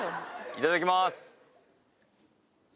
いただきます。